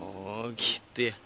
oh gitu ya